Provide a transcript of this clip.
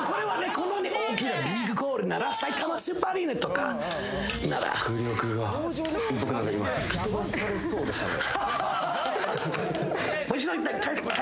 こんなに大きなビッグコールならさいたまスーパーアリーナとかなら迫力が僕なんか今吹き飛ばされそうでしたね